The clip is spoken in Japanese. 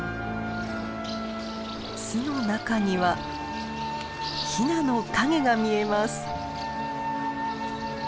巣の中にはヒナの影が見えます。